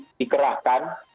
saya ulangi dikerahkan